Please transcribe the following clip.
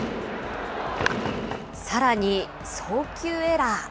さらに、送球エラー。